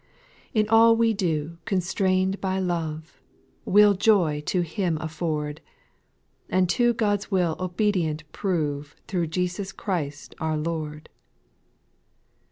7. In all we do constrain'd by love, We'll joy to Him afford. And to God's will obedient prove Through Jesus Christ our Lord.